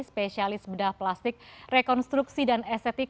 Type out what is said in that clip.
spesialis bedah plastik rekonstruksi dan estetik